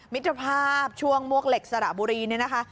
มิตรภาพช่วงมวกเหล็กสระบุรีเนี่ยนะคะ